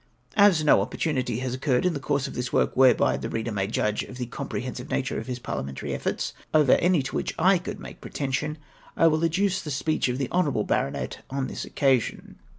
As no oppor tunity has occurred in the course of this work Avhereby the reader may judge of the comprehensive nature of his parhamentary efforts over any to which I could make pretension, I will adduce the speech of the honourable baronet on this occasion.